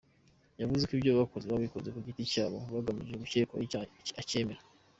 Yavuze ko ibyo bakoze babikoze ku giti cyabo bagamije ko ucyekwaho icyaha acyemera.